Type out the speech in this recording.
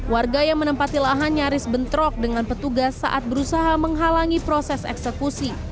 warga yang menempati lahan nyaris bentrok dengan petugas saat berusaha menghalangi proses eksekusi